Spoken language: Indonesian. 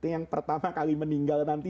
yang pertama kali meninggal nanti